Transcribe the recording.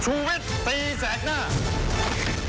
ชุวิตตีทรักหน้า